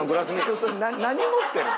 それ何持ってるん？